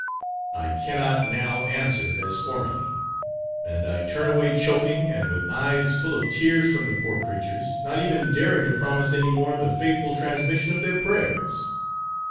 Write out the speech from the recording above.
I cannot now answer as formerly, and I turn away choking and with eyes full of tears from the poor creatures, not even daring to promise any more the faithful transmission of their prayers.